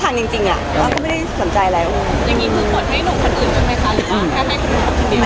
อย่างงี้เพิ่งบ่อยให้ลงคนอื่นกันเหรอค่ะ